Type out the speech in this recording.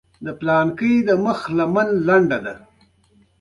د لويې جرګې غړي د ملي شورا غړي دي.